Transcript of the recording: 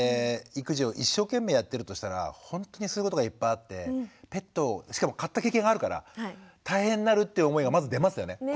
育児を一生懸命やってるとしたらほんとにすることがいっぱいあってペットをしかも飼った経験があるから大変になるって思いがまず出ますよね。